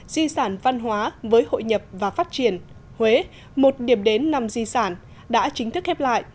di sản văn hóa với hội nhập và phát triển huế một điểm đến năm di sản đã chính thức khép lại